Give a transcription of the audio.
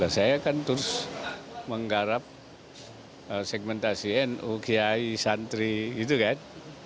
saya kan terus menggarap segmentasi nu kiai santri gitu kan